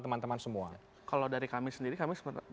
teman teman semua kalau dari kami sendiri kami